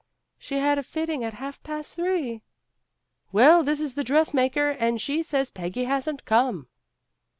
She had a fitting at half past three." "Well, this is the dressmaker, and she says Peggy hasn't come."